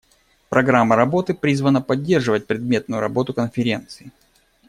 Программа работы призвана поддерживать предметную работу Конференции.